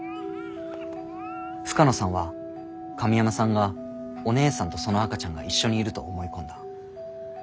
深野さんは神山さんがお姉さんとその赤ちゃんが一緒にいると思い込んだ。